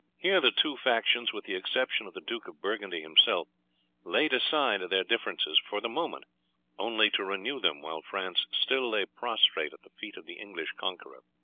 Here the two factions, with the exception of the Duke of Burgundy himself, laid aside their differences for the moment, only to renew them while France still lay prostrate at the feet of the English conqueror.